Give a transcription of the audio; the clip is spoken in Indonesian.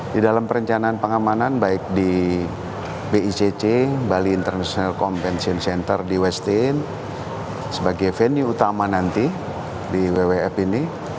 di dalam perencanaan pengamanan baik di bicc bali international compension center di westin sebagai venue utama nanti di wwf ini